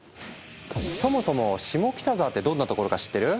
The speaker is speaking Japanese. そもそも下北沢ってどんなところか知ってる？